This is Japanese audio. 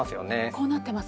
こうなってます。